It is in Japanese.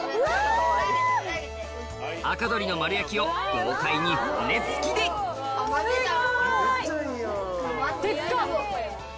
赤鶏の丸焼きを豪快に骨付きですごい！